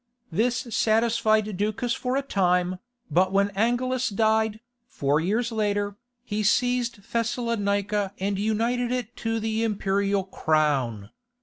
This satisfied Ducas for a time, but when Angelus died, four years later, he seized Thessalonica and united it to the imperial crown.